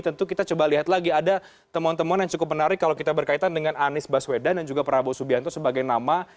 tentu kita coba lihat lagi ada temuan temuan yang cukup menarik kalau kita berkaitan dengan anies baswedan dan juga prabowo subianto sebagai nama